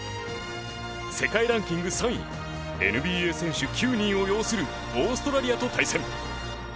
世界ランキング３位ＮＢＡ選手９人を擁するオーストラリアと対戦。